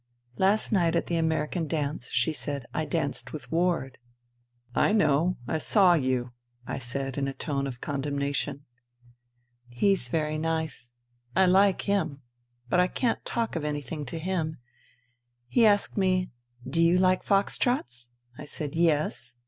" Last night at the American dance," she said, " I danced with Ward." " I know, I saw you," I said in a tone of con demnation. INTERVENING IN SIBERIA 199 " He's very nice ; I like him ; but I can't talk of anything to him. He asked me, ' Do you like fox trots ?' I said, ' Yes.'